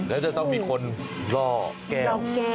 แล้วมันนี่จะต้องมีคนร่อแก้ว